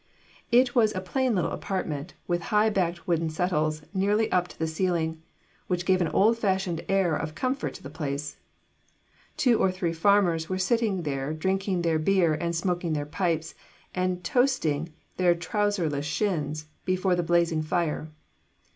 It was a plain little apartment, with high backed wooden settles nearly up to the ceiling, which gave an old fashioned air of comfort to the place. Two or three farmers were sitting there drinking their beer and smoking their pipes, and toasting their trouserless shins before the blazing fire.